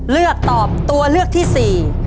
เลือกตอบตัวเลือกที่สี่